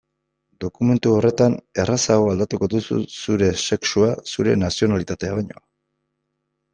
Dokumentu horretan errazago aldatuko duzu zure sexua zure nazionalitatea baino.